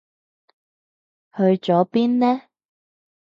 去咗邊呢？